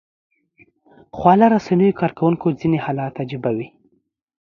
خواله رسنیو کاروونکو ځینې حالات عجيبه وي